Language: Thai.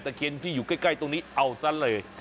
เคียนที่อยู่ใกล้ตรงนี้เอาซะเลย